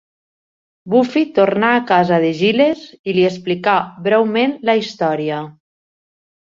Buffy tornar a casa de Giles i li explica breument la història.